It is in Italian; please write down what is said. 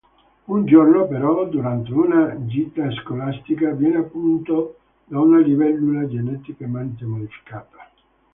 Un giorno però, durante una gita scolastica, viene punto da una libellula geneticamente modificata.